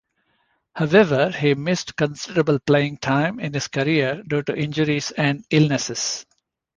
However, he missed considerable playing time in his career due to injuries and illnesses.